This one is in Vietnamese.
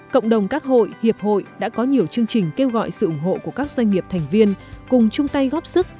cộng đồng các hội hiệp hội đã có nhiều chương trình kêu gọi sự ủng hộ của các doanh nghiệp thành viên cùng chung tay góp sức